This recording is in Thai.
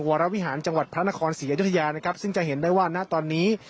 วรวิหารจังหวัดพระนครศรีอยุธยานะครับซึ่งจะเห็นได้ว่าณตอนนี้